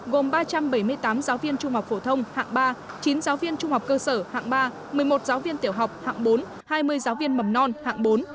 gồm ba trăm bảy mươi tám giáo viên trung học phổ thông hạng ba chín giáo viên trung học cơ sở hạng ba một mươi một giáo viên tiểu học hạng bốn hai mươi giáo viên mầm non hạng bốn